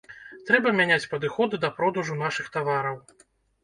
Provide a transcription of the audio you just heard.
Трэба мяняць падыходы да продажу нашых тавараў.